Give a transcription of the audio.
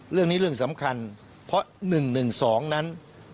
เรื่องนี้เรื่องสำคัญเพราะ๑๑๒นั้น